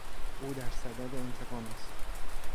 او در صدد انتقام است.